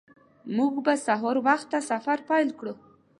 موږ به سهار وخته سفر پیل کړو